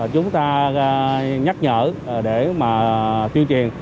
chúng ta nhắc nhở để tuyên truyền